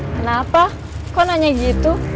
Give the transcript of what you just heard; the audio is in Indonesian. kenapa kok nanya gitu